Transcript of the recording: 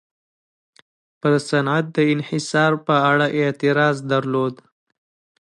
پر صنعت د انحصار په اړه اعتراض درلود.